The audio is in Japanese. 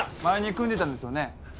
前に組んでたんですよね？